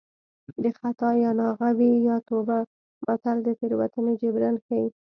د خطا یا ناغه وي یا توبه متل د تېروتنې جبران ښيي